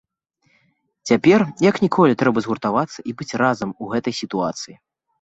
Цяпер як ніколі трэба згуртавацца і быць разам у гэтай сітуацыі.